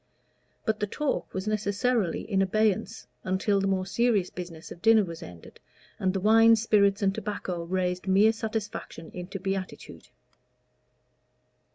But the talk was necessarily in abeyance until the more serious business of dinner was ended, and the wine, spirits, and tobacco raised mere satisfaction into beatitude.